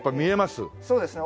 そうですね。